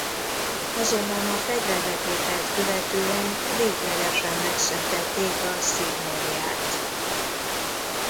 Azonban a fegyverletételt követően véglegesen megszüntették a Signoriát.